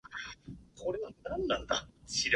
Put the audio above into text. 荒涼たる冬